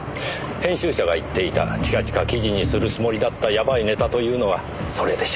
編集者が言っていた近々記事にするつもりだったやばいネタというのはそれでしょう。